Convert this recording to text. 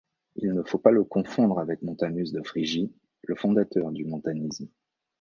Il ne faut pas le confondre avec Montanus de Phrygie, le fondateur du montanisme.